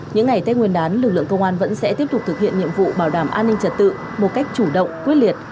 những ngày tết nguyên đán lực lượng công an vẫn sẽ tiếp tục thực hiện nhiệm vụ bảo đảm an ninh trật tự một cách chủ động quyết liệt